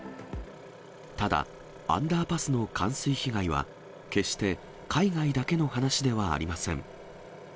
ただ、アンダーパスの冠水被害は、決して海外だけの話ではありません。